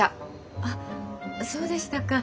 あそうでしたか。